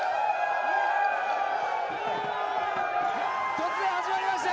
突然始まりました。